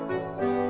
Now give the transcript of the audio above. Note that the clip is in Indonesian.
ya pak sofyan